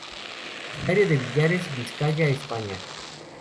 Originario de Villares, Vizcaya, España.